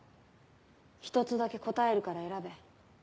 １つだけ答えるから選べ。